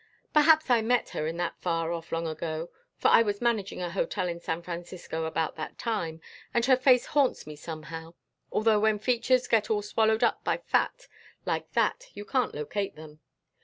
Perhaps I met her in that far off long ago, for I was managing a hotel in San Francisco about that time, and her face haunts me somehow although when features get all swallowed up by fat like that you can't locate them.